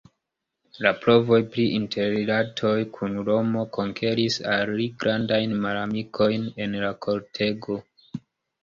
La provoj pri interrilatoj kun Romo konkeris al li grandajn malamikojn en la kortego.